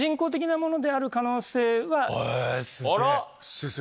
先生